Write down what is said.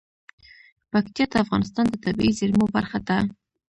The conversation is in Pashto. پکتیا د افغانستان د طبیعي زیرمو برخه ده.